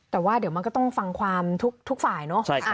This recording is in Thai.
แต่ว่าเดี๋ยวมันก็ต้องฟังความทุกฝ่ายเนอะ